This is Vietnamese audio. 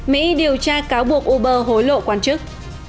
mỹ điều tra cáo buộc uber hối lộ quan chức